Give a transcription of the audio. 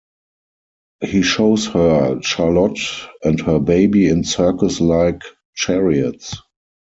He shows her Charlotte and her baby in circus-like chariots.